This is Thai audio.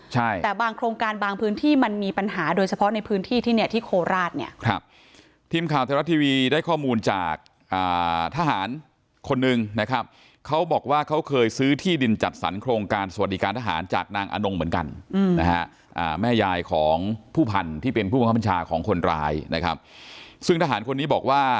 ใช่แต่บางโครงการบางพื้นที่มันมีปัญหาโดยเฉพาะในพื้นที่ที่เนี่ยที่โคราชเนี่ยครับทีมข่าวไทยรัฐทีวีได้ข้อมูลจากทหารคนนึงนะครับเขาบอกว่าเขาเคยซื้อที่ดินจัดสรรโครงการสวัสดิการทหารจากนางอนงเหมือนกันนะฮะแม่ยายของผู้พันธุ์ที่เป็นผู้บังคับบัญชาของคนร้ายนะครับซึ่งทหารคนนี้บอกว่า